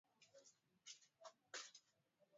shangirai amesema utakuwa huru na wa haki